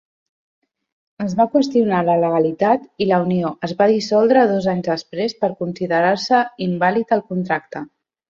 Es va qüestionar la legalitat i la unió es va dissoldre dos anys després per considerar-se invàlid el contracte.